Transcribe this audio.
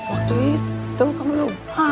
waktu itu kamu tau